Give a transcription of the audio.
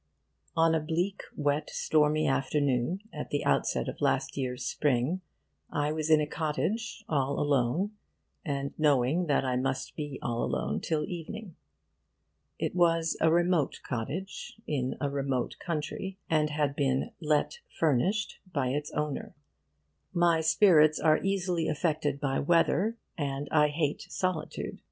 On a bleak wet stormy afternoon at the outset of last year's Spring, I was in a cottage, all alone, and knowing that I must be all alone till evening. It was a remote cottage, in a remote county, and had been 'let furnished' by its owner. My spirits are easily affected by weather, and I hate solitude.